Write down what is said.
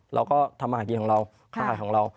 เราก็ทำอาทิตย์ของเรา